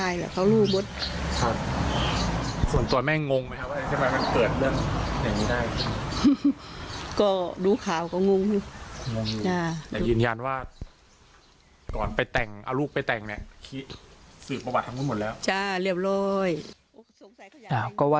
ยืนยันว่าก่อนเอาลูกไปแต่งสืบประวัติทำกันหมดแล้ว